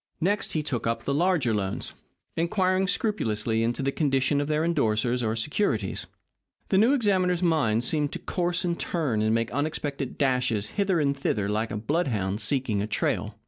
Next, he took up the larger loans, inquiring scrupulously into the condition of their endorsers or securities. The new examiner's mind seemed to course and turn and make unexpected dashes hither and thither like a bloodhound seeking a trail.